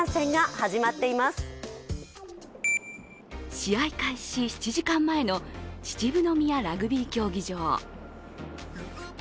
試合開始７時間前の秩父宮ラグビー競技場。